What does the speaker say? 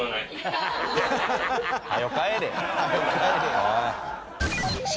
はよ帰れ。